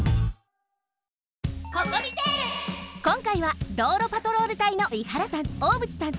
こんかいは道路パトロール隊の伊原さん大渕さん。